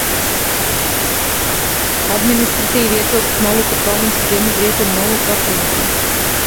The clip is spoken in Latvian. Administratīvi ietilpst Moluku provinces Dienvidrietumu Moluku apriņķī.